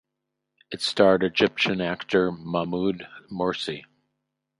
It starred Egyptian actor Mahmud Mursi.